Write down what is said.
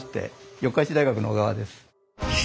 四日市大学の小川です。